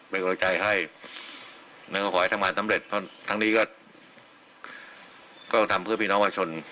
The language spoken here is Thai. ไปกรับใจให้นายก็ขอให้ทางบ้านสำเร็จเพราะทั้งนี้ก็ก็ต้องทำเพื่อเพื่อนพี่น้องว่าชน